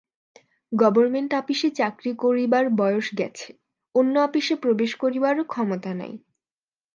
Government আপিসে চাকরি করিবার বয়স গেছে, অন্য আপিসে প্রবেশ করিবারও ক্ষমতা নাই।